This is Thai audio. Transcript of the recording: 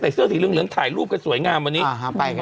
เสื้อสีเหลืองถ่ายรูปกันสวยงามวันนี้